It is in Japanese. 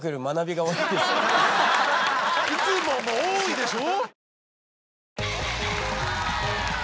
いつもも多いでしょ？